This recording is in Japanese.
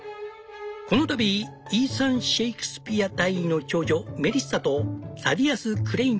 「この度イーサン・シェークスピア大尉の長女メリッサとサディアス・クレイン